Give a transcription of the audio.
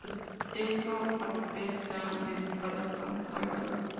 Su templo parroquial está dedicado a San Salvador.